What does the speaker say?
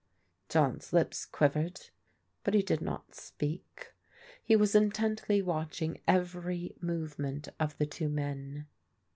John's lips quivered, but he did not speak. He was intently watching every movement of the two men.